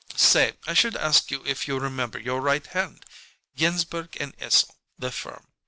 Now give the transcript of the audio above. Say I should ask you if you remember your right hand! Ginsberg & Esel, the firm.